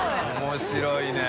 面白いね。